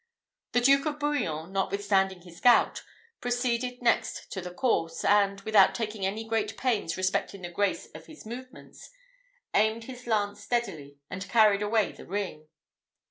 The Duke of Bouillon, notwithstanding his gout, proceeded next to the course; and, without taking any great pains respecting the grace of his movements, aimed his lance steadily, and carried away the ring.